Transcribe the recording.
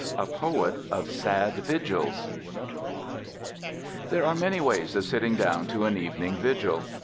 A POET OF SAD VIGILS There are many ways of sitting down to an evening vigil.